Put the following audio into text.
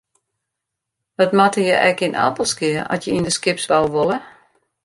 Wat moatte je ek yn Appelskea at je yn de skipsbou wolle?